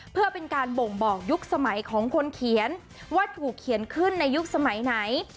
เพื่อเป็นการบ่งบอกยุคสมัยของคนเขียนว่าถูกเขียนขึ้นในยุคสมัยไหน